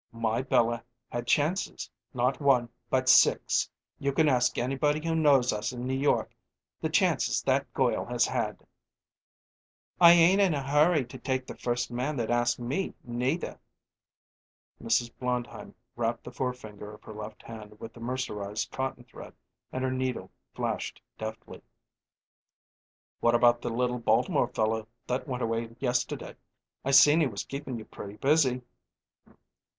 "My Bella's had chances not one, but six. You can ask anybody who knows us in New York the chances that goil has had." "I ain't in a hurry to take the first man that asks me, neither." Mrs. Blondheim wrapped the forefinger of her left hand with mercerized cotton thread, and her needle flashed deftly. "What about the little Baltimore fellow that went away yesterday? I seen he was keepin' you pretty busy."